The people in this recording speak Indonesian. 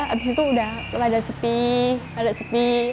lalu sudah pada sepi